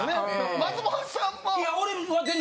松本さんは？